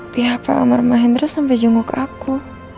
pihak pak amar mahendra sampai jenguk aku